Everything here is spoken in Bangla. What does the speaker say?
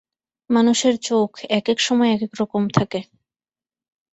মানুষের চোখ একেক সময় একেক রকম থাকে।